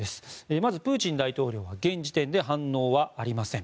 まずプーチン大統領は現時点で反応はありません。